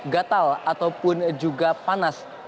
gatal ataupun juga panas